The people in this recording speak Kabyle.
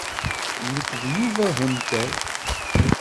Nekk d Yuba Hunter.